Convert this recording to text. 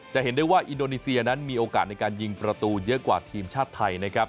จะเห็นได้ว่าอินโดนีเซียนั้นมีโอกาสในการยิงประตูเยอะกว่าทีมชาติไทยนะครับ